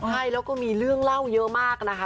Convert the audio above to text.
ใช่แล้วก็มีเรื่องเล่าเยอะมากนะคะ